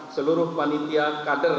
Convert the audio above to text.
seluruh panitia kader